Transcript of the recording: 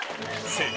正解！